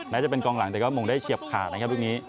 จะเป็นกองหลังแต่ก็มงได้เฉียบขาดนะครับลูกนี้